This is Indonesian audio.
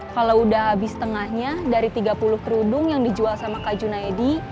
kalau udah habis tengahnya dari tiga puluh kerudung yang dijual sama kak junaidi